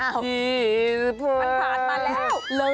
มันผ่านมาแล้ว